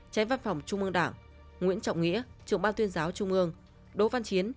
tránh văn phòng trung ương đảng nguyễn trọng nghĩa trưởng ban tuyên giáo trung ương đỗ văn chiến